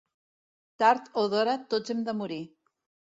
Tard o d'hora tots hem de morir.